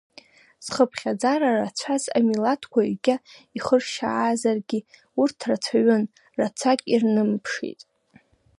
Зхыԥхьаӡара рацәаз амилаҭқәа егьа ихыршьаазаргьы, урҭ рацәаҩын, рацәак ирнымԥшит.